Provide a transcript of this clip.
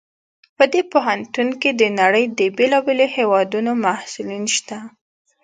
په دې پوهنتون کې د نړۍ د بیلابیلو هیوادونو محصلین شته